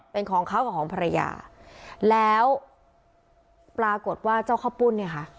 เป็นของเขากับของภรรยาแล้วปรากฏว่าเจ้าข้าวปุ้นเนี่ยค่ะ